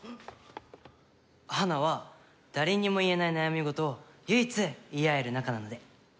花は誰にも言えない悩み事を唯一言い合える仲なので。